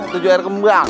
tujuh air kembang